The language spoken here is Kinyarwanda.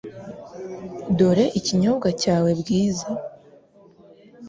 Dore ikinyobwa cyawe, Bwiza .